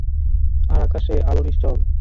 আর আকাশে আলো নিশ্চল।